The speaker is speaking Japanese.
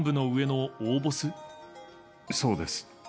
そうです。